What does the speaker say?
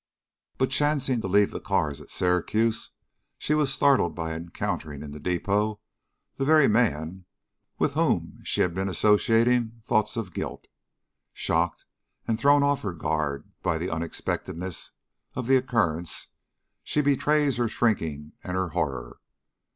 But chancing to leave the cars at Syracuse, she was startled by encountering in the depot the very man with whom she had been associating thoughts of guilt. Shocked and thrown off her guard by the unexpectedness of the occurrence, she betrays her shrinking and her horror.